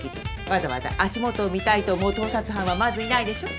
わざわざ足元を見たいと思う盗撮犯はまずいないでしょ。